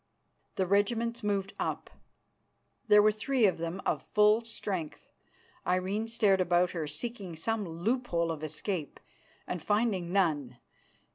The regiments moved up; there were three of them of full strength. Irene stared about her, seeking some loophole of escape, and finding none.